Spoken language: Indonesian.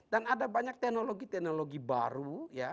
dan ada banyak teknologi teknologi baru